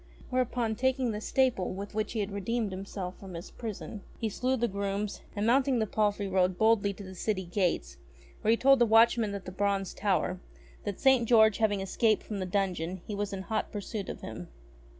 Whereupon, taking the staple with which he had redeemed himself from prison, he slew the grooms, and mounting the palfrey rode boldly to the city gates where he told the watchman at the Bronze Tower, that St. George having escaped from the dungeon, he was in hot pursuit of him.